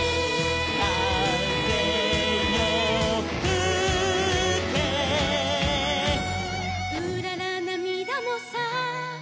「かぜよふけ」「うららなみだもさ」